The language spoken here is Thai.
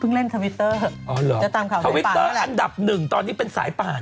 เพิ่งเล่นทวิตเตอร์อ๋อเหรอจะตามข่าวอันดับหนึ่งตอนนี้เป็นสายป่านฮะ